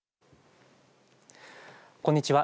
こんにちは。